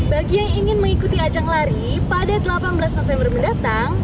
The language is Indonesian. bagi yang ingin mengikuti ajang lari pada delapan belas november mendatang